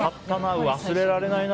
忘れられないな。